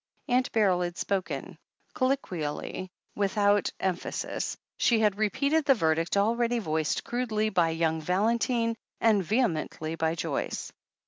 Atmt Beryl had spoken. Colloquially, without em phasis, she had repeated the verdict already voiced crudely by young Valentine, and vehemently by Joyce.